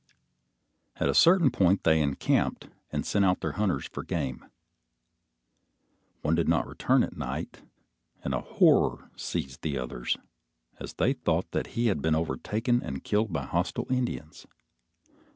At a certain point they encamped and sent out their hunters for game. One did not return at night, and a horror seized the others, as they thought that he had been overtaken and killed by hostile Indians.